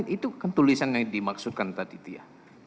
itu kan tulisan yang dimaksudkan tadi dia